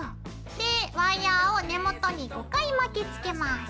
でワイヤーを根元に５回巻きつけます。